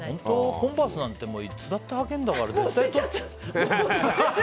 コンバースなんていつだって履けるんだから。